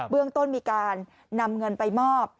เรื่องต้นมีการนำเงินไปมอบ